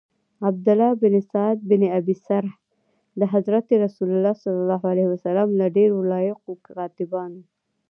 عبدالله بن سعد بن ابی سرح د حضرت رسول له ډیرو لایقو کاتبانو.